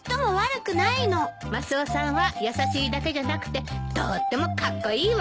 マスオさんは優しいだけじゃなくてとってもカッコイイわよ。